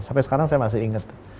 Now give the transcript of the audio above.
sampai sekarang saya masih ingat